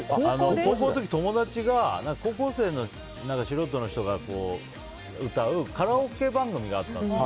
高校の時、友達が高校生の素人の人が歌うカラオケ番組があったんです。